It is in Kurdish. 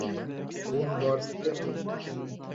Hûn bar dikin.